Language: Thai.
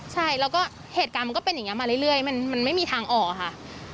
ใช่แล้วก็เหตุการณ์มันก็เป็นอย่างนี้มาเรื่อยมันไม่มีทางออกค่ะ